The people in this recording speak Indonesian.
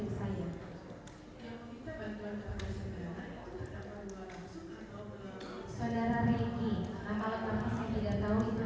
saudara terdiri di keterangan seperti ini